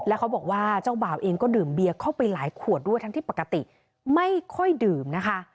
แล้วเขาบอกว่าเจ้าบ่าวเองก็ดื่มเบียเข้าไปหลายขวดด้วยทั้งที่ปกติไม่ค่อยดื่มนะคะ